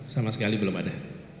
sama sekali belum ada